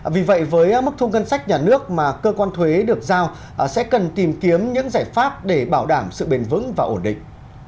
vì vậy với mức thu ngân sách nhà nước mà cơ quan thuế được giao sẽ cần tìm kiếm những giải pháp để bảo đảm sự bền vững và ổn định